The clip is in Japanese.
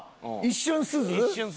一瞬すず。